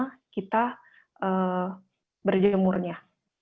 berapa lama kita berjemurnya